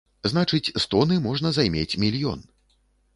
Значыць, з тоны можна займець мільён.